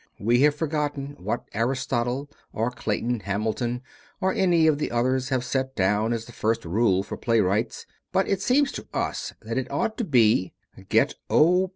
We have forgotten what Aristotle or Clayton Hamilton or any of the others have set down as the first rule for playwrights, but it seems to us that it ought to be: Get O.